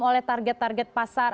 oleh target target pasar